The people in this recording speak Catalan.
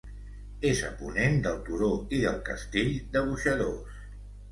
És a ponent del Turó i del Castell de Boixadors.